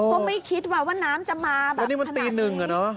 ก็ไม่คิดว่าน้ำจะมาแบบนี้มันตีหนึ่งอ่ะเนอะ